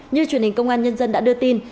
như truyền hình công an nhân dân đã đưa tin